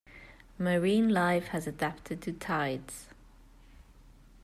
Marine life has adapted to tides.